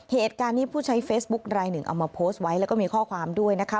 เหตุการณ์นี้ผู้ใช้เฟซบุ๊คลายหนึ่งเอามาโพสต์ไว้แล้วก็มีข้อความด้วยนะคะ